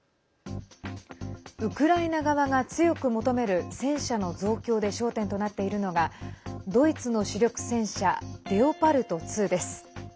ウクライナ側が強く求める戦車の増強で焦点となっているのがドイツの主力戦車レオパルト２です。